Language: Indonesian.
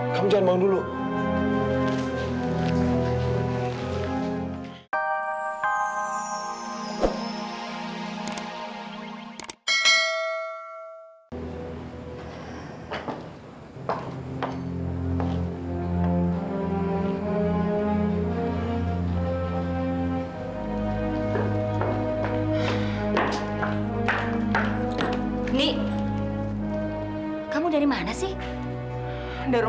kamu jangan bangun dulu